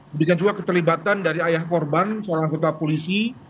demikian juga keterlibatan dari ayah korban seorang anggota polisi